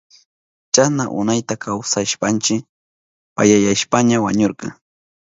Chasna unayta kawsashpanshi payayashpaña wañurka.